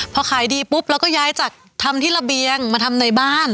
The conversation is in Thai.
พอขายดีปุ๊บเราก็ย้ายจากทำที่ระเบียงมาทำในบ้าน